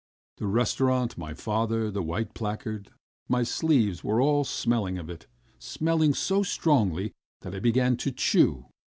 ... The restaurant, my father, the white placard, my sleeves were all smelling of it, smelling so strongly that I began to chew.